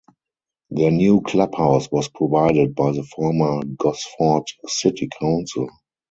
Their new club house was provided by the former Gosford City Council.